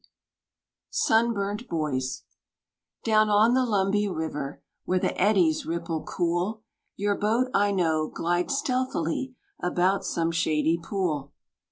Sunburnt Boys Down on the Lumbee river Where the eddies ripple cool Your boat, I know, glides stealthily About some shady pool.